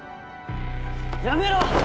やめろ！